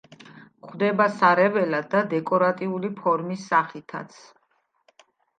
გვხვდება სარეველად და დეკორატიული ფორმების სახითაც.